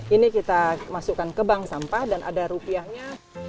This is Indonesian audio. ini kita masukkan ke bank sampah dan ada rupiahnya